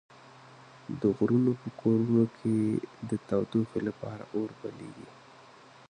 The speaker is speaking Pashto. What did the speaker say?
د غرونو په کورونو کې د تودوخې لپاره اور بليږي.